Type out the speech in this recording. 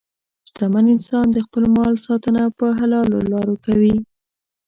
شتمن انسان د خپل مال ساتنه په حلالو لارو کوي.